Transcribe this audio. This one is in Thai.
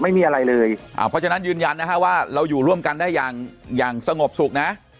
ไม่มีอะไรเลยเพราะฉะนั้นยืนยันนะฮะว่าเราอยู่ร่วมกันได้อย่างอย่างสงบสุขนะ